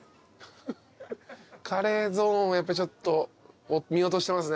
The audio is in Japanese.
カレーゾーンをやっぱちょっと見落としてますね